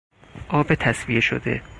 آب تصفیه شده